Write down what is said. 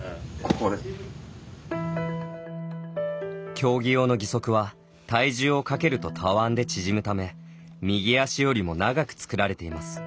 競技用の義足は体重をかけるとたわんで縮むため右足よりも長く作られています。